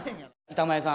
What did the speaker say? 板前さん。